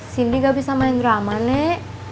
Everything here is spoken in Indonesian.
cindy gak bisa main drama nek